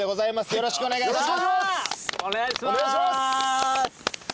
よろしくお願いします。